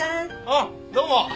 あっどうも。